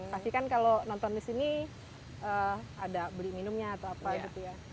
pastikan kalau nonton di sini ada beli minumnya atau apa gitu ya